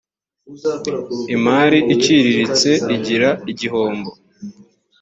imari iciriritse igira igihombo.